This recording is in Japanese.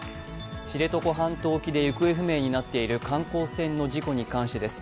知床半島沖で行方不明になっている観光船の事故に関してです。